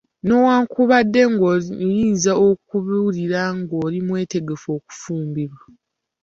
Newankubadde ng'oyinza okuwulira ng'oli mwetegefu okufumbirwa.